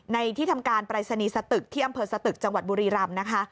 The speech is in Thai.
ที่ทำการปรายศนีย์สตึกที่อำเภอสตึกจังหวัดบุรีรำนะคะ